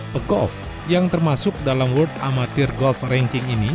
pegolf yang termasuk dalam world amateur golf ranking ini